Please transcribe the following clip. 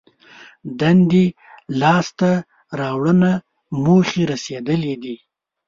دندې لاس ته راوړنه موخې رسېدلي دي.